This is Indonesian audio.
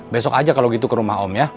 besok aja kalau gitu ke rumah om ya